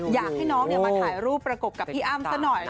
อยากให้น้องมาถ่ายรูปประกบกับพี่อ้ำซะหน่อย